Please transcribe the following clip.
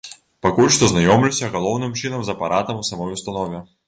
Пакуль што знаёмлюся галоўным чынам з апаратам у самой установе.